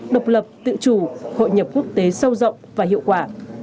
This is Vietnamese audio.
độc lập tự chủ hội nhập quốc tế sâu rộng và hiệu quả